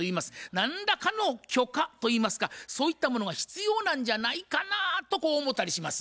何らかの許可といいますかそういったものが必要なんじゃないかなとこう思うたりします。